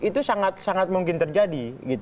itu sangat mungkin terjadi